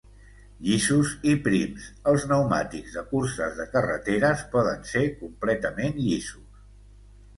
Llisos i prims, els pneumàtics de curses de carreteres poden ser completament llisos.